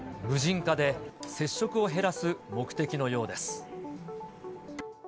無人化で接触を減らす目的のようです。